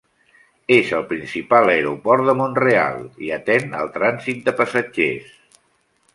És el principal aeroport de Mont-real, i atén al trànsit de passatgers.